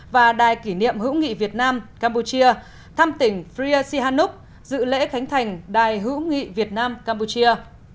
và đài kỷ niệm hữu nghị việt nam campuchia thăm tỉnh fre sihanok dự lễ khánh thành đài hữu nghị việt nam campuchia